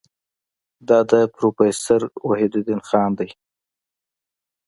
دا د پروفیسور وحیدالدین خان دی.